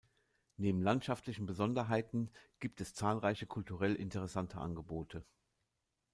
Neben landschaftlichen Besonderheiten gibt es zahlreiche kulturell interessante Angebote.